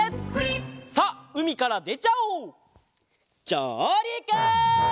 じょうりく！